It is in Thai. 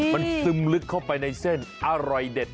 มันซึมลึกเข้าไปในเส้นอร่อยเด็ด